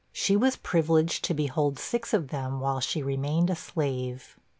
She was privileged to behold six of them while she remained a slave.